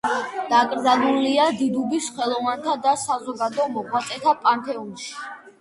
დაკრძალულია დიდუბის ხელოვანთა და საზოგადო მოღვაწეთა პანთეონში.